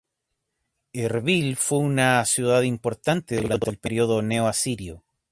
Erbil fue una ciudad importante durante el período Neo-asirio.